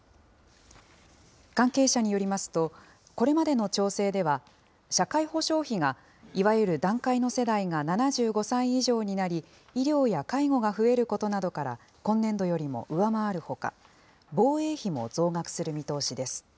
関係者によりますと、これまでの調整では、社会保障費が、いわゆる団塊の世代が７５歳以上になり、医療や介護が増えることなどから、今年度よりも上回るほか、防衛費も増額する見通しです。